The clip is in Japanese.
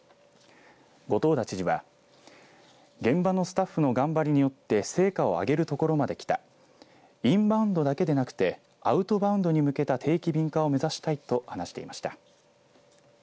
後藤田知事は現場のスタッフの頑張りによって成果を上げるところまできたインバウンドだけでなくてアウトバウンドに向けた定期便化を目指したいと話していました。